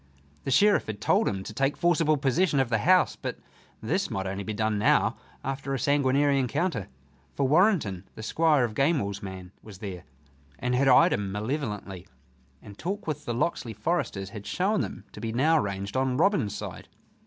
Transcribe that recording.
The Sheriff had told him to take forcible possession of the house, but this might only be done now after a sanguinary encounter. For Warrenton, the Squire of Gamewell's man, was there, and had eyed him malevolently, and talk with the Locksley foresters had shown them to be now ranged on Robin's side.